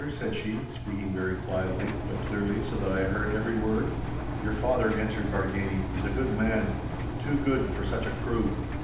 said she, speaking very quietly, but clearly, so that I heard every word. 'Your father,' answered Bargany, 'is a good man—too good for such a crew.